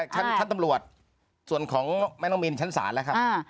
ชั้นตำรวจส่วนของแม่น้องมินชั้นศาลแล้วครับ